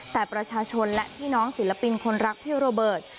แต่ประชาชนและพี่น้องศิลปินคนรักพี่โรเบิร์ต